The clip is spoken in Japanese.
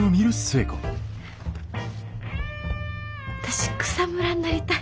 私草むらになりたい。